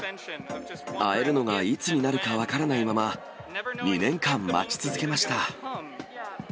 会えるのがいつになるか分からないまま、２年間待ち続けました。